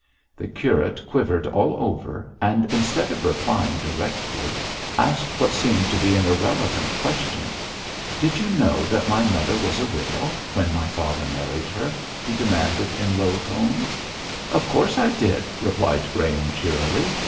The curate quivered all over, and instead of replying directly, asked what seemed to be an irrelevant question. 'Did you know that my mother was a widow when my father married her?' he demanded in low tones. 'Of course I did,' replied Graham, cheerily.